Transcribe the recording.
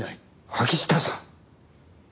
秋下さん。